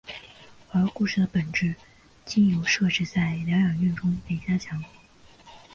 而故事的本质经由设置在疗养院中被加强。